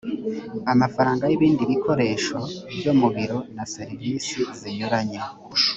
amafaranga y’ibindi bikoresho byo mu biro na servisi zinyuranye